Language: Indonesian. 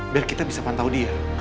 biar kita bisa pantau dia